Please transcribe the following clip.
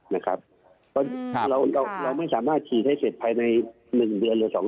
เราไม่สามารถขีดให้เสร็จภายใน๑เดือนหรือ๒เดือน